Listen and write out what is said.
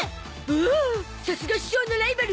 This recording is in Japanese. おおさすが師匠のライバル！